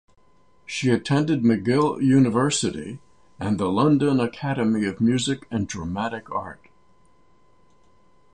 She attended McGill University and the London Academy of Music and Dramatic Art.